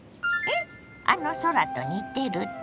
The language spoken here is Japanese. あの空と似てるって？